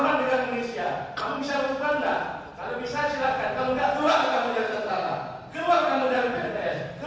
kalau enggak keluar dari negara indonesia